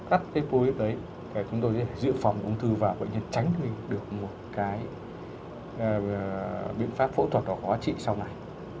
cắt cái polyp đấy để chúng tôi giữ phòng ung thư và bệnh nhân tránh được một cái biện pháp phẫu thuật hoặc có trị sau này